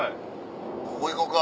ここ行こか。